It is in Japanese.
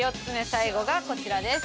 最後がこちらです。